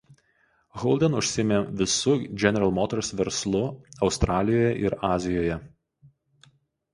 Holden užsiėmė visu General Motors verslu Australijoje ir Azijoje.